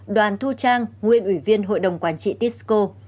đoàn thu trang nguyên ủy viên hội đồng quản trị tisco